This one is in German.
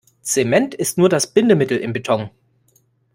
Zement ist nur das Bindemittel im Beton.